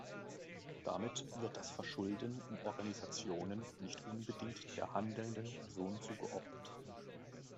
Damit wird das Verschulden in Organisationen nicht unbedingt der handelnden Person zugeordnet.